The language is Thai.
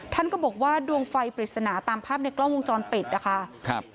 ท่านก็บอกว่าดวงไฟปริศนาตามภาพในกล้องวงจรปิดนะคะครับ